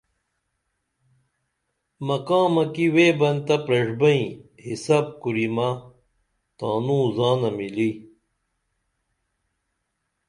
مقامہ کی ویبئین تہ پریݜبئیں حِسب کُریمہ تانوں زانہ مِلی